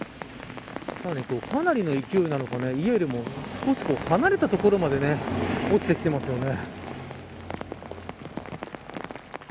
かなりの勢いなのか家よりも離れた所まで落ちてきていますよね。